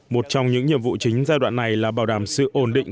một trong những nhiệm vụ chính giai đoạn này là bảo đảm sự ổn định